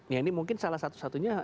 ya ini mungkin salah satu satunya